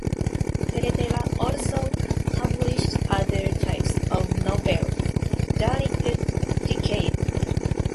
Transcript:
Pepetela also published other types of novels during the decade.